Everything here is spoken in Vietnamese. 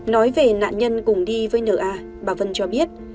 nói về nạn nhân cùng đi với na bà vân cho biết